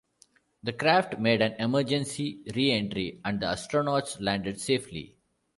The craft made an emergency reentry and the astronauts landed safely.